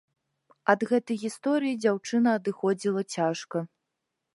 Ад гэтай гісторыі дзяўчына адыходзіла цяжка.